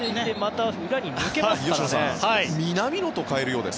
南野と代えるようです。